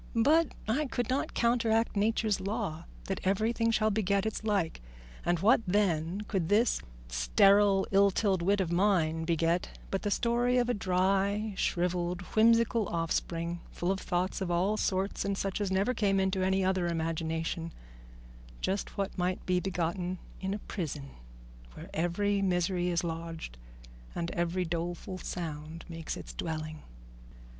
But I could not counteract Nature's law that everything shall beget its like; and what, then, could this sterile, illtilled wit of mine beget but the story of a dry, shrivelled, whimsical offspring, full of thoughts of all sorts and such as never came into any other imagination just what might be begotten in a prison, where every misery is lodged and every doleful sound makes its dwelling?